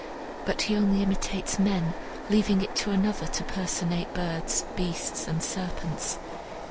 But he only imitates men, leaving it to another to personate birds, beasts, and serpents.